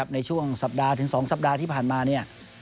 ในช่วงสัปดาห์ถึง๒สัปดาห์ที่ผ่านมาเนี่ย